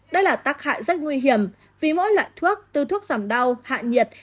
đây là tác hại rất nguy hiểm vì mỗi loại thuốc từ thuốc giảm đau hạ nhiệt